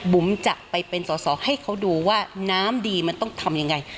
บุ๋มจะไปเป็นสอสอให้เขาดูว่าน้ำดีมันต้องทำยังไง